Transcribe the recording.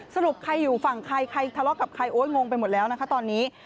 สรุปใครอยู่ฝั่งใครใครทะเลาะกับใครโอ๊ยงงไปหมดแล้วนะคะตอนนี้